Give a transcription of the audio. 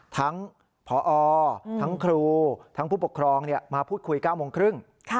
ทั้งพอทั้งครูทั้งผู้ปกครองมาพูดคุย๙โมงครึ่ง